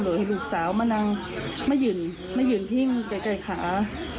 โดยให้ลูกสาวมานั่งมายืนมายืนทิ้งใกล้ใกล้ขา